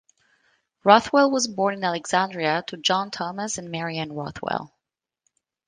Rothwell was born in Alexandria to John Thomas and Mary Ann Rothwell.